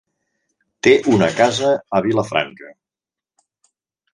Té una casa a Vilafranca.